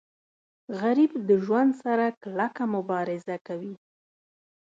غریب د ژوند سره کلکه مبارزه کوي